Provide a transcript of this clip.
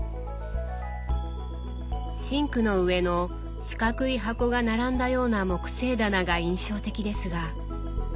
シンクの上の四角い箱が並んだような木製棚が印象的ですが。